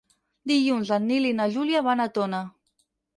Dilluns en Nil i na Júlia van a Tona.